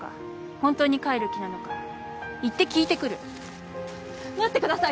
本当に帰る気なのか行って聞いてくる待ってください